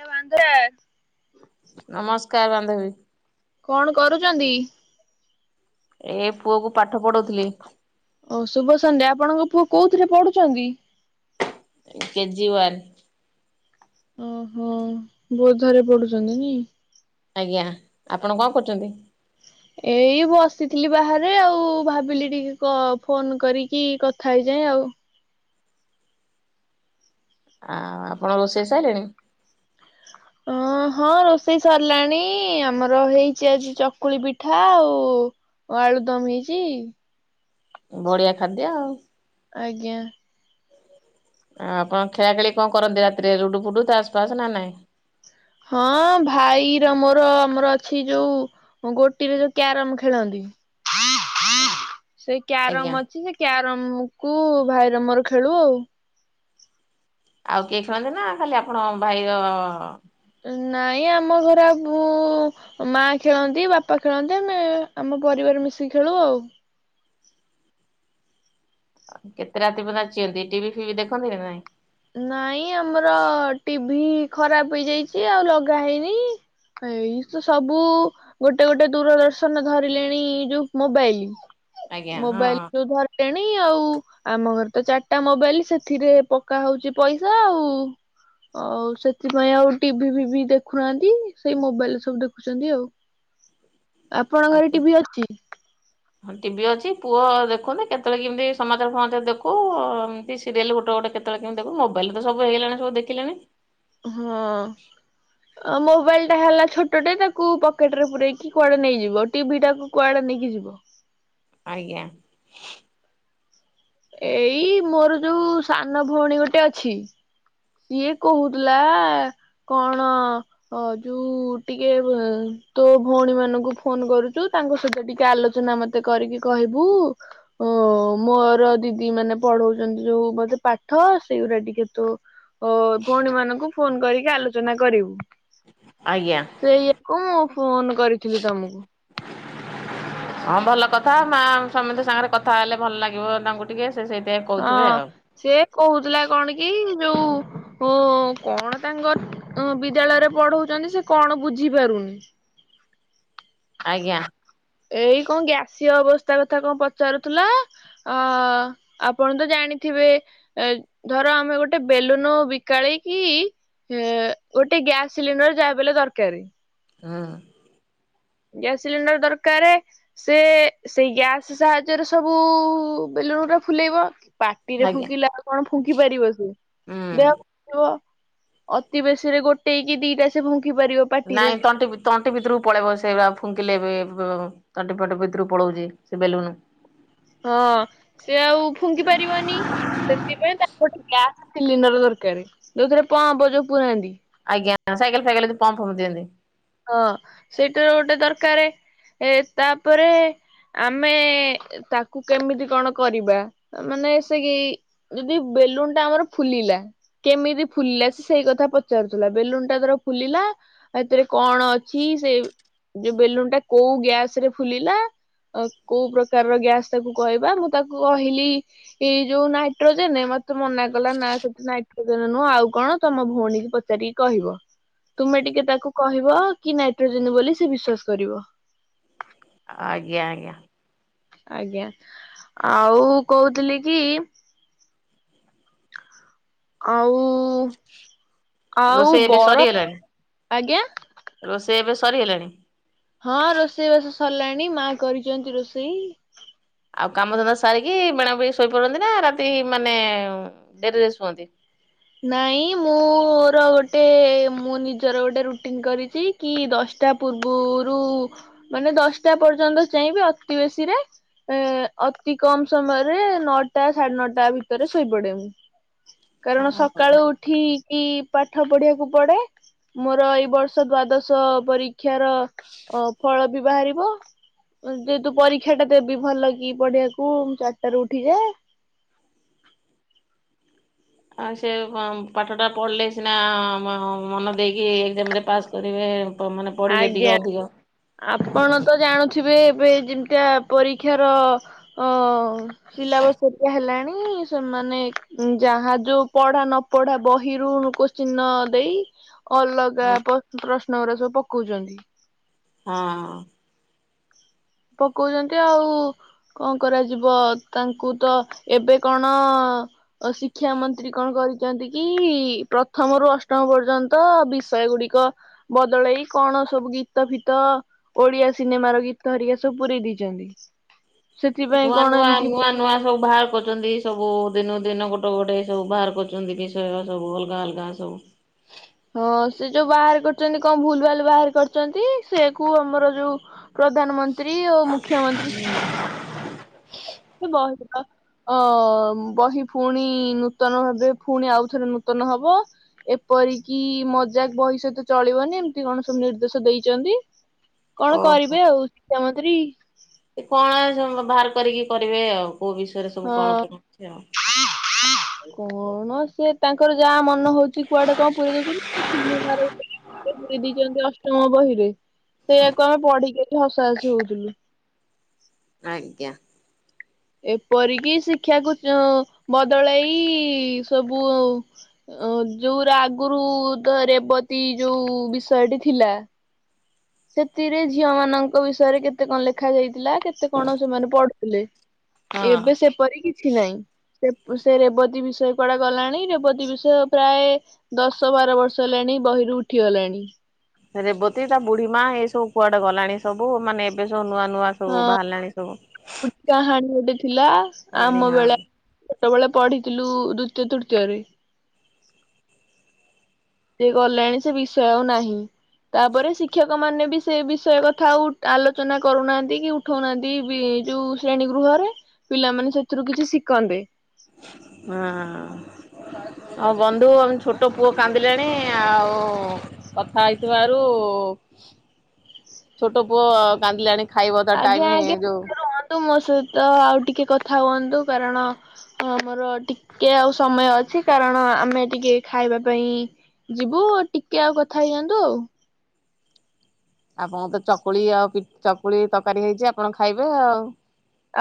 ଏ ବାଙ୍ଗୁରା ନମସ୍କାର ବାନ୍ଧବୀ। କଣ କରୁଛନ୍ତି? ଏ ପୁଅ କୁ ପାଠ ପଢଉଥିଲି। ଓ ଶୁଭ ସନ୍ଧ୍ୟା। ଆପଣଙ୍କ ପୁଅ କୋଉଥିରେ ପଢୁଛନ୍ତି? KG one. ଓହୋ ବୋଧରେ ପଢୁଛନ୍ତି ନାଇଁ। ଆଜ୍ଞା ଆପଣ କଣ କରୁଛନ୍ତି? ଏଇ ବସିଥିଲି ବାହାରେ ଆଉ ଭାବିଲି ଟିକେ କ ଫୋନ କରିକି କଥା ହେଇଯାଏଁ ଆଉ। ଆଉ ଆପଣ ରୋଷେଇ ସାଇଲେଣି? ଅ ହଁ ରୋଷେଇ ସରିଲାଣି ଆମର ହେଇଛି ଆଜି ଚକୁଳି ପି ଠା ଆଉ ଆଳୁଦମ ହେଇଛି। ବଢିଆ ଖାଦ୍ୟ ଆଉ। ଆଜ୍ଞା। ଆଉ ଆପଣ ଖେଳା ଖେଳି କଣ କରନ୍ତି ରାତିରେ ଲୁଡୁ ଫୁଡୁ ତାସ୍ ଫାସ୍ ନା ନାଇଁ? ହଁ ଭାଇର ମୋର ଆମର ଅଛି ଯୋଉ ଗୋଟିରେ ଯୋଉ କ୍ୟାରମ ଖେଳନ୍ତି। [inaudible] ସେଇ ଆଜ୍ଞା କ୍ୟାରମ ଅଛି ସେ କ୍ୟାରମ କୁ ଭାଇର ମୋର ଖେଳୁ ଆଉ। ଆଉ କିଏ ଖେଳନ୍ତି ନା ଖାଲି ଆପଣ ଭାଇର ନାଇଁ ଆମ ଘର ଆଉ କୋଉ ମା ଖେଳନ୍ତି ବାପା ଖେଳନ୍ତି ଆମେ ଆମ ପରିବାର ମିଶିକି ଖେଳୁ ଆଉ। କେତେ ରାତି ପର୍ଯ୍ୟନ୍ତ ଚିଅନ୍ତି ଟିଭି ଫିଭି ଦେଖନ୍ତି ନା ନାଇଁ? ନାଇଁ ଆମର ଟିଭିି ଖରାପ ହେଇଯାଇଛି ଆଉ ଲଗା ହେଇନି। ଏଇ ତ ସବୁ। ଗୋଟେ ଗୋଟେ ଦୂରଦର୍ଶନ ଧରିଲେଣି ଯୋଉ ମୋବାଇଲ। ଆଜ୍ଞା ହଁ ମୋବାଇଲ ଯୋଉ ଧରିଲେଣି ଆଉ ଆମ ଘରେ ତ ଚାରିଟା ମୋବାଇଲ ସେଥିରେ ପ କା ହଉଛି ପଇସା ଆଉ। ଆଉ ସେଥିପାଇଁ ଆଉ ଟିଭି ଫିଭିି ଦେଖୁନାହାନ୍ତି। ସେଇ ମୋବାଇଲରେ ସବୁ ଦେଖୁଛନ୍ତି ଆଉ। [inaudible] ଆପଣଙ୍କ ଘରେ ହଁ। ଟିଭି ଅଛି? ହଁ ଟିଭି ଅଛି ପୁଅ ଦେଖୁନି କେତେବେଳେ କେମିତି ସମାଚାର ଫମାଚାର ଦେଖୁଉ-ଉ-ଉ କି ସିରିଏଲ ଗୋଟେ ଗୋଟେ କେତେବେଳେ କେମିତି ଦେଖୁ। ମୋବାଇଲରେ ତ ସବୁ ହେଇଗଲାଣି ସବୁ ଦେଖିଲେଣି। ହଁ। ଆ ମୋବାଇଲ ଟା ହେଲା ଛୋଟଟେ ତାକୁ ପକେଟ ରେ ପୁରେଇକି କୁଆଡେ ନେଇଯିବ। ଟିଭି ଟାକୁ କୁଆଡେ ନେଇକି ଯିବ? ଆଜ୍ଞା। ଏଇ ମୋର ଯୋଉ ସାନ ଭଉଣୀ ଗୋଟେ ଅଛି। ସିଏ କହୁଥିଲା କଣ ହ ଯୋଉ-ଉ-ଉ ଟିକେ ଅ ତୋ ଭଉଣୀ ମାନଙ୍କୁ ଫୋନ କରୁଛୁ। ତାଙ୍କ ସହିତ ଟିକେ ଆଲୋଚନା ମତ୍ ତେ କରିକି କହିବୁ ଓ-ଓ-ଓ ମୋର ଦିଦି ମାନେ ପଢଉଛନ୍ତି ଯୋଉ-ଉ-ଉ ବଧେ ପାଠ ସେଇଗୁରା ଟିକେ ତୋ ଓ-ଓ-ଓ ଭଉଣୀ ମାନଙ୍କୁ ଫୋନ କରିକି ଆଲୋଚନା କରିବୁ। ଆଜ୍ଞା। ସେଇଆକୁ ଫୋନ କରିଥିବି ତମକୁ। ହଁ ଭଲ କଥା ମା ସମସ୍ତେ ସାଙ୍ଗରେ କଥା ହେଲେ ଭଲ ଲାଗିବ ତାଙ୍କୁ ଟିକେ ସେ ସେଇଥିପାଇଁ କହୁଥିବେ ହଁ ଆଉ। ସେ କହୁଥିଲା କଣ କି ଯୋଉ ଉ-ଉ-ଉ-ଉ କଣ ତାଙ୍କର ତମ ବିଦ୍ୟାଳୟରେ ପଢଉଛନ୍ତି ସେ କଣ ବୁଝି ପାରୁନି। ଆଜ୍ଞା। ଏଇ କଣ ଗ୍ୟାସିଅ ଅବସ୍ଥା କଥା କଣ ପଚାରୁଥିଲା। ଅ-ଅ-ଅ ଆପଣ ତ ଜାଣିଥିବେ ଏ ଧର ଆମେ ଗୋଟେ ବେଲୁନ ବିକାଳି କିି ଏ-ଏ-ଏ ଗୋଟେ ଗ୍ୟାସ ସିଲିଣ୍ଡର ଯାହେଲେବି ଦରକାରେ। ହଁ। ଗ୍ୟାସ୍ ସିଲିଣ୍ଡର ଦରକାରେ। ସେ ସେଇ ଗ୍ୟାସ ସାହାଯ୍ୟରେ ସବୁ ବେଲୁଣ ଗୁଡା ଫୁଲେଇବ। ପାଟିରେ ଆଜ୍ଞା ଫୁଙ୍କିଲାକୁ କଣ ଫୁଙ୍କି ପାରିବ ସିଏ ହୁଁ। ଦେହ [unintelligible] ଅତି ବେଶୀରେ ଗୋଟେ କି ଦିଟା ସେ ଫୁଙ୍କି ପାରିବ ପାଟିରେ ନାଇଁ ତଣ୍ଟି ବି ତଣ୍ଟି ଭିତରକୁ ପଳେଇବ ସେ ବା ଫୁଙ୍କିଲେ ବେ-ବ-ତଣ୍ଟି ଫଣ୍ଟି ଭିତରୁକୁ ପଳଉଚି ସେ ବେଲୁନୁ। ହଁ ସେ ଆଉ ଫୁଙ୍କି ପାରିବନି। ସେଥିପାଇଁ ତାକୁ ଗୋଟେ ଗ୍ୟାସ୍ ସିଲିଣ୍ଡର ଦରକାରେ ଯଉଥିରେ ପମ୍ପ ଯଉ ପୁରାନ୍ତି। ଆଜ୍ଞା ସାଇକେଲ୍ ଫାଇକେଲ୍ ରେ ଯଉ ପମ୍ପ ଫମ୍ପ ଦିଅନ୍ତି। ହଁ ସେଇଟା ର ଗୋଟେ ଦରକାରେ ଏ ତାପରେ ଆମେ ତାକୁ କେମିତି କଣ କରିବା ମାନେ ସେ କି ଯଦି ବେଲୁନ୍ ଟା ଆମର ଫୁଲିଲା କେମିତି ଫୁଲିଲା ସେ ସେଇ କଥା ପଚାରୁଥିଲା ବେଲୁନ୍ ଟା ଧର ଫୁଲିଲା ଆଉ ଏଥିରେ କଣ ଅଛି ସେ ଯଉ ବେଲୁନ୍ ଟା କଉ ଗ୍ୟାସ୍ ରେ ଫୁଲିଲା ଅ- କଉ ପ୍ରକାରର ଗ୍ୟାସ୍ ତାକୁ କହିବା ମୁଁ ତାକୁ କହିଲି ଏଇ ଯଉ ନାଇଟ୍ରୋଜେନେ ମତେ ମନା କଲା ନା ସେଠି ନାଇଟ୍ରୋଜେନ୍ ନୁହେଁ ଆଉ କଣ ତମ ଭଉଣୀ କି ପଚ୍ ଚାରିକି କହିବ ତୁମେ ଟିକେ ତାକୁ କହିବ କି ନାଇଟ୍ରୋଜେନ୍ ବୋଲି ସେ ବିଶ୍ଵାସ କରିବ। ଆଜ୍ଞା -ଆଜ୍ଞା। ଆଜ୍ଞା ଆଉ କହୁଥିଲି କି ଆଉ- ଆଉ ରୋଷେଇ ଏବେ ବରଫ୍- ସରିଗଲାଣି? ଆଜ୍ଞା। ରୋଷେଇ ଏବେ ସରିଗଲାଣି? ହଁ ରୋଷେଇବାସ ସରିଲାଣି ମା କରିଚନ୍ତି ରୋଷେଇ। ଆଉ କାମଧନ୍ଦା ସାରିକି ବେଣାବି ଶୋଇପଡନ୍ତି ନା ରାତି ମାନେ ଡେରିରେ ଶୁଅନ୍ତି? ନାଇଁ ମୁଁର ଗୋଟେ ମୁଁ ନିଜର ଗୋଟେ ରୁଟିନ କରିଚି କି ଦଶଟା ପୂର୍ବୁରୁ ମାନେ ଦଶଟା ପର୍ଯ୍ୟନ୍ତ ଚେଇଁବେ ଅତି ବେଶୀରେ ଏ ଅତି କମ ସମୟରେ ନଅଟା ସାଢେ ନଅଟା ଭିତରେ ଶୋଇପଡେ ମୁଁ। [inaudible] କାରଣ ସକାଳୁ ଉଠିକି ପାଠ ପଢିବାକୁ ପଡେ। ମୋରୋ ଏଇ ବର୍ଷ ଦ୍ଵାଦଶ ପରୀକ୍ଷାର [inaudible] ଅ ଫଳ ବି ବାହାରିବ। ଯେହେତୁ ପରୀକ୍ଷା ଟା ଦେବି ଭଲ କି ପଢିବାକୁ ମୁଁ ଚାରିଟାରୁ ଉଠିଯାଏ। ଆଉ ସେ କଁ ପାଠଟା ପଢ଼ିଲେ ସିନା ମ ମନ ଦେଇକି ଏକ୍ସାମରେ ପାସ୍ କରିବେ। ମାନେ ପଢିଲେ ଟିକେ ଆଜ୍ଞା ଅଧିକ ଆପଣ ତ ଜାଣୁ ଥୁବେ ଏବେ ଯେମିତିଆ ପରୀକ୍ଷାର ଅଁ ସିଲାବସ ହେରିକା ହେଲାଣି। ସେମାନେ ଯାହା ଯୋଉ ପଢା ନ ପଢା ବହିରୁ କୋଶ୍ଚିନ ନଦେଇ ଅଲଗା ହଁ ପ୍ର ପ୍ରଶ୍ନ ଗୁରା ସବୁ ପକୋଉଚନ୍ତି। ହଁ। ପକୋଉଚନ୍ତି ଆଉ କଁ କରାଯିବ ତାଙ୍କୁ ତ ଏବେ କଣ ଶିକ୍ଷା ମନ୍ତ୍ରୀ କଣ କରିଛନ୍ତି କି ପ୍ରଥମରୁୁ ଅଷ୍ଟମ ପର୍ଯ୍ୟନ୍ତ ବିଷୟ ଗୁଡିକ ବଦଳେଇ କଣ ସବୁ ଗୀତ ଫିତ ଓଡିଆ ସିନେମାର ଗୀ ତ ହେରିକା ସବୁ ପୁରୀ ଦେଇଚନ୍ତି। ନୂଆ ନୂଆ ନୂଆ ନୂଆ ସବୁ ଭାରୁ କରୁଚନ୍ତି ସବୁ ଦିନୁକୁ ଦିନ ଗୋଟୋ ଗୋଟେ ସବୁ ବାହାର କରୁଚନ୍ତି ବିଷୟ ସବୁ ଅଲଗା ଅଲଗା ସବୁ ହଁ ସେ ଯୋଉ ବାହାର କରିଚନ୍ତି କଣ ଭୁଲ ଭାଲ ବାହାର କରିଚନ୍ତି ସେଇଆ କୁ ଆମର ଯୋଉ ପ୍ରଧାନମନ୍ତ୍ରୀ ଓ ମୁଖ୍ୟମନ୍ତ୍ରୀ [inaudible] [unintelligible] ଅଁ ବହି ଫୁଣି ନୂତନ ଭାବେ ଫୁଣି ଆଉଥରେ ନୂତନ ହବ। ଏପରିକି ମଜାକ୍ ବହି ସହିତ ଚଳିବନି ଏମିତି କଣ ସବୁ ନିର୍ଦ୍ଦେଶ ଦେଇଚନ୍ତି। [inaudible] କଣ ଓହୋ। କରିବେ ଆଉ ଶିକ୍ଷାମନ୍ତ୍ରୀ। ସେ କଣ [unintelligible] ବାହାର କରିକି କରିବେ ଆଉ କୋଉ ବିଷୟରେ ସବୁ କଣ ହଁ କଣ ଅଛି ଆଉ। କଣ ସିଏ ତାଙ୍କର ଯାହା ମ ନହୋଉଚି କୁଆଡେ କଁ ପୁରେଇ ଦୋଉ [unintelligible] ସିନେମାର ପୁରେଇ ଦେଇଚନ୍ତି ଅଷ୍ଟମ ବହିରେ। ସେଇଆକୁ ଆମେ ପଢିକି ଏଠି ହସାହସି ହୋଉଥୁଲୁ। ଆଜ୍ଞା। ଏପରିକି ଶିକ୍ଷାକୁ ଚୁ ବଦଳାଇ ସବୁ ଅଁ ଯୋଉରା ଆଗୁରୁ ତ ରେବତୀ ଯୋଉ ବିଷୟଟି ଥିଲା। ସେତିରେ ଝିଅ ମାନଙ୍କ ବିଷୟରେ କେତେ କଁ ଲେଖା ଯାଇଥିଲା କେତେ କଣ ସେମାନେ ପଢୁଥୁଲେ। ହଁ। ଏବେ ସେପରି କିଛି ନାଇଁ। ସେପ୍ ସେ ରେବତୀ ବିଷୟ କୁଆଡେ ଗଲାଣି ରେବତୀ ବିଷୟ ପ୍ରାଏ ଦଶ ବାର ବର୍ଷ ହେଲାଣି ବହିରୁ ଉଠିଗଲାଣି। ରେବତୀ ତା ବୁଢୀ ମା ଏଇ ସବୁ କୁଆଡେ ଗଲାଣି ସବୁ ମାନେ ଏବେ ସବୁ ନୂଆ ନୂଆ ସବୁ ବାହାରିଲାଣି ସବୁ। ହଁ କାହାଣୀ ଗୋଟେ ଥିଲା କହାଣୀ ଆମ ହଁ। ବେଳେ। ଛୋଟୋ ବୋଳେ ପଢିଥିଲୁ ଦୁତୀୟ ତୃତୀୟରେ। ସିଏ ଗଲାଣୀ ସେ ବିଷୟ ଆଉ ନାହିଁ। ତାପରେ ଶିକ୍ଷକ ମାନେ ବି ସେ ବିଷୟ କଥା ଆଉ ଉ ଆଲୋଚୋନା କରୁନାହାନ୍ତି କି ଉ ଠୋଉନାହାନ୍ତି ବି ଯୋଉ ଶ୍ରେଣୀ ଗୃହରେ ପିଲାମାନେ ସେଥିରୁ କିଛି ଶିକନ୍ତେ। ହଁ। ଆଉ ବନ୍ଧୁ ଆମ ଛୋଟୋ ପୁଅ କାନ୍ଦିଲାଣି ଆଉ କଥା ହେଇଥିବାରୁ ଛୋଟୋ ପୁଅ କାନ୍ଦିଲାଣି। ଖାଇବ ତା ଆଜ୍ଞା ଟାଇମି ଆଜ୍ଞା ଯୋଉ ରୁହନ୍ତୁ ମୋ ସହିତ ଆଉ ଟିକେ କଥା ହୁଅନ୍ତୁ କାରଣ ହଁ, ଆମର ଟିକେ ଆଉ ସମୟ ଅଛି, କାରଣ ଆମେ ଟିକେ ଖାଇବା ପାଇଁ ଯିବୁ, ଟିକେ ଆଉ କଥା ହେଇଯାଆନ୍ତୁ ଆଉ। ଆପଣଙ୍କ ତ ଚକୁଳି ଆଉ ଚକୁଳି ତରକାରୀ ହେଇଛି ଆପଣ ଖାଇବେ ଆଉ।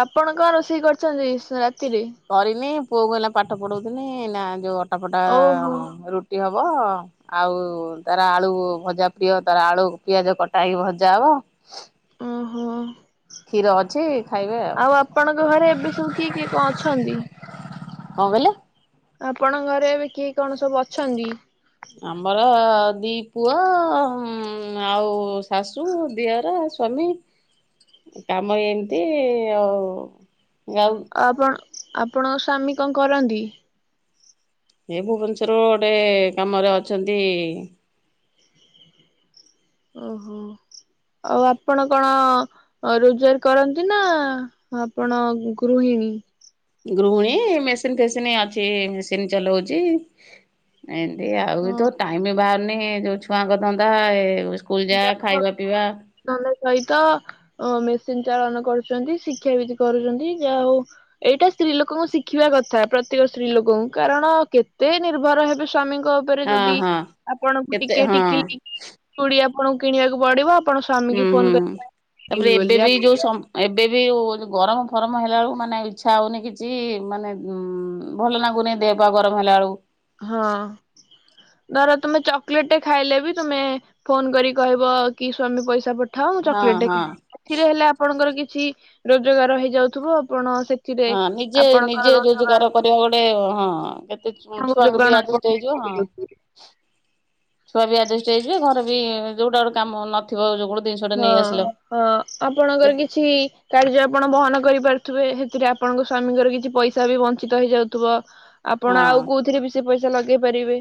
ଆପଣ କଣ ରୋଷେଇ କରିଛନ୍ତି ରାତିରେ? କରିନି, ପୁଅ କୁ ହେଲେ ପାଠ ପଢଉଥିନି, ନା ଯୋଉ ଅଟାଫଟା ଓହୋ ରୁଟି ହବ ଆଉ ତାର ଆଳୁ ଭଜା ପ୍ରିୟ, ତାର ଆଳୁ ପିଆଜ କଟା ହେଇକି ଭଜା ହବ। ଓହୋ କ୍ଷୀର ଅଛି ଖାଇବେ ଆଉ କଣ ଆପଣଙ୍କ ଘରେ ଏବେ ସବୁ କିଏ କିଏ କଣ ଅଛନ୍ତି? କଣ କହିଲେ? ଆପଣଙ୍କ ଘରେ ଏବେ କିଏ କଣ ସବୁ ଅଛନ୍ତି? ଆମର ଦି ପୁଅ ଆଉ ଶାଶୁ, ଦିଅର, ସ୍ଵାମୀ ତମ ଏମିତି ଆଉ ଯାଉ ଆପଣ, ଆପଣଙ୍କ ସ୍ୱାମୀ କଣ କରନ୍ତି? ଏ ଭୁବନେଶ୍ୱର ରୁ ଗୋଟେ କାମରେ ଅଛନ୍ତି। ଓହୋ, ଆଉ ଆପଣ କଣ? ରୋଜଗାର କରନ୍ତି ନା ଆପଣ ଗୃହିଣୀ? ଗୃହିଣୀ, ମେସିନ ଫେସିନ୍ ଅଛି ମେସିନ ଚଲଉଛି। ଏ ଆଉ ତ ଟାଇମ ବାହାରୁନି ଯୋଉ ଛୁଆଙ୍କ ଧନ୍ଦା, ସ୍କୁଲ ଯା ଖାଇବା ପିଇବା ନହେଲେ ସହିତ ମେସିନ ଚାଳନ କରୁଛନ୍ତି, ଶିକ୍ଷାବିତ କରୁଛନ୍ତି, ଯାହା ହଉ ଏଇଟା ସ୍ତ୍ରୀ ଲୋକଙ୍କୁ ଶିଖିବା କଥା, ପ୍ରତ୍ୟେକ ସ୍ତ୍ରୀ ଲୋକଙ୍କୁ, କାରଣ କେତେ ନିର୍ଭର ହେବେ ସ୍ଵାମୀଙ୍କ ଉପ ରେ ହଁ ଯଦି ହଁ ଆପଣଙ୍କୁ କେତେ ଟିକେ ହଁ ଟିକିଲି ଚୁଡି ଆପଣଙ୍କୁ କିଣିବାକୁ ପଡିବ? ଆପଣ ସ୍ଵାମୀ କି ହୁଁ ଫୋନ କରି ହୁଁ, କିଣିବି ତାପରେ ଏବେ ବୋଲି ବି ଯୋଉ ଏବେ ବି ଗରମ ଫରମ ହେଲାବେେଳକୁ ମାନେ ଇଛା ହେଉନି କିଛି, ମାନେ ଭଲ ଲାଗୁନି ଦେହ ପା, ଗରମ ହେଲା ବେଳକୁ ହଁ ଅ ଧର ତୁମେ ଚକୋଲେଟ ଖାଇଲେ ବି ତୁମେ ଫୋନ କରି କହିବ କି ସ୍ଵାମୀ ପଇସା ପ ମୁଁ ହଁ ଚକଲେଟ ଖି ହଁ। ସେଥିରେ ହେଲେ ଆପଣଙ୍କର କିଛି ରୋଜଗାର ହେଇଯାଉଥିବ, ଆପଣ ସେ ହଁ ନିଜେ, ନିଜେ ରୋଜଗାର କରିବା ଗୋଟେ ହଁ କେତେ ଆପଣଙ୍କୁ ଛୁଆଙ୍କୁ ବି ଯୋଗାଣ ହଁ ଆଜେଷ୍ଟ ହେଇଯିବ, ହଁ ଛୁଆ ବି ଆଡଜଷ୍ଟ ହେଇଯିବେ, ଘରେ ବି ଯୋଉଟା ଗୋଟେ କାମ ନଥିବ, ଗୋଟେ ଜିନିଷଟେ ନେଇଆସିଲ। ହଁ ଆପଣଙ୍କର କିଛି କାର୍ଯ୍ୟ ଆପଣ ବହନ କରିପାରୁଥିବେ, ସେଥିରେ ଆପଣଙ୍କ ସ୍ଵାମୀଙ୍କର କିଛି ପଇସା ପଇସା ବି ବଂଞ୍ଚିତ ହେଇଯାଉଥିବ, ହଁ ଆପଣ ଆଉ କୋଉଥିରେ ବି ସେ ପଇସା ଲଗେଇ ପାରିବେ।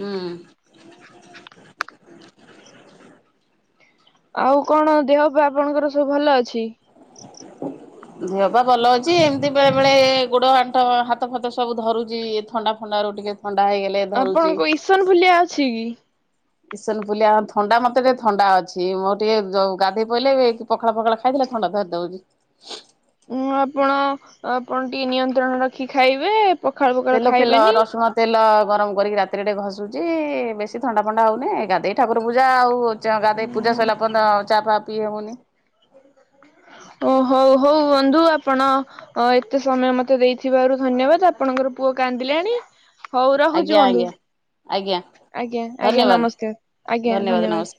ହୁଁ ଉ ଆଉ କଣ ଦେହ ଆପଣଙ୍କର ସବୁ ଭଲ ଅଛି? [unintelligible] ଦେହ ପା ଭଲ ଅଛି, ଏମିତି ବେଳେ ବେଳେ ଗୋଡ ଆଣ୍ଠ ହାତ ଫାତ ସବୁ ଧରୁଛି ଥଣ୍ଡା ଥଣ୍ଡାରୁ ଟିକେ ଥଣ୍ଡା ହେଇଗଲେ। ଧରୁଛି। ଆପଣଙ୍କ ଇସନ ଫୁଲିଆ ଅଛି କି? ଇସନ ପୁଲିଆ ଥଣ୍ଡା ମତେ ଟିକେ ଥଣ୍ଡା ଅଛି, ମୋର ଟିକେ ଗାଧୋଇ ପଇଲେ ପଖାଳ ଫଖାଳ ଖାଇଦେଲେ, ଥଣ୍ଡା ଧରି ଦଉଛି। ଉଁ ଆପଣ, ଆପଣ ଟିକେ ନିୟନ୍ତ୍ରଣ ରଖି ଖାଇବେ, ପଖାଳ ପଖାଳ ତେଲ ଫେଲ ଖାଇବେନି। ରସୁଣ ତେଲ ଗରମ କରିକି ରାତିରେଟେ ଘଷୁଛି, ବେଶୀ ଥଣ୍ଡା ଫଣ୍ଡା ହଉନି, ଗାଧୋଇକି ଠାକୁର ପୂଜା ଆଉ ଗାଧୋଇ ପୂଜା ସରିଲା ପରେ ଚା ପା ପିଇ ହେବନି। ଓ ହଉ ହଉ ବନ୍ଧୁ ଆପଣ ଅ ଏତେ ସମୟ ମତେ ଦେଇଥିବାରୁ ଧନ୍ୟବାଦ, ଆପଣଙ୍କର ପୁଅ କାନ୍ଦିଲାଣି ହଉ ରହୁଛି ଆଜ୍ଞା ବନ୍ଧୁ। ଆଜ୍ଞା ଆଜ୍ଞା ଆଜ୍ଞା ଆଜ୍ଞା ଧନ୍ୟବାଦ ନମସ୍କାର, ଆଜ୍ଞା ଧନ୍ୟବାଦ।